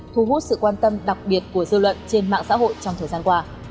thu hút sự quan tâm đặc biệt của dư luận trên mạng xã hội trong thời gian qua